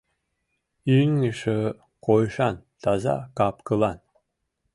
— Ӱҥышӧ койышан, таза кап-кылан...